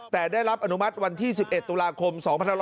แต่ได้รับอนุมัติวันที่๑๑ตุลาคม๒๕๖๒